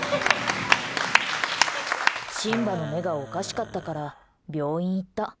シンバの目がおかしかったから病院行った。